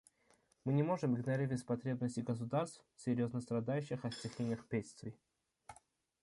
Мы не можем игнорировать потребности государств, серьезно страдающих от стихийных бедствий.